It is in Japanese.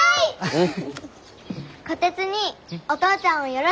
うん。